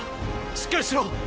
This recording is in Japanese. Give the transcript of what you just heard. しっかりしろ！